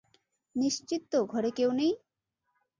নিশ্চিত তো ঘরে কেউ নেই?